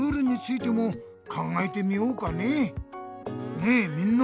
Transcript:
ねえみんな。